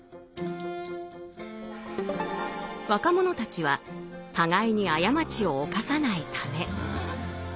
若者たちは互いに過ちを犯さないため。